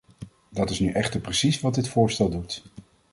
Dat is nu echter precies wat dit voorstel doet.